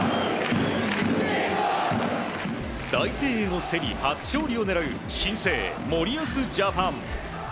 大声援を背に初勝利を狙う新生・森保ジャパン。